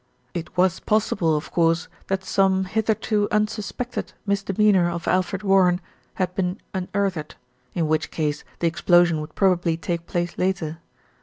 It was possible, of course, that some hitherto un suspected misdemeanour of Alfred Warren had been unearthed, in which case the explosion would probably take place later.